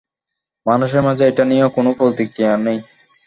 মানুষের মাঝে এটা নিয়ে কোনও প্রতিক্রিয়াই নেই!